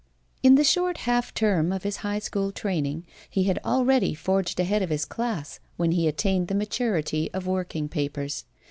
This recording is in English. In the short half term of his high school training he had already forged ahead of his class when he attained the maturity of working papers.